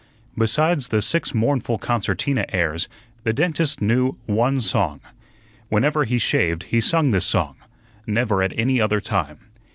Besides the six mournful concertina airs, the dentist knew one song. Whenever he shaved, he sung this song; never at any other time.